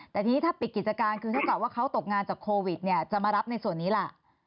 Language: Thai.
แต่ทีนี้ถ้าปิดกิจการคือเท่ากับว่าเขาตกงานจากโควิดเนี่ยจะมารับในส่วนนี้ล่ะ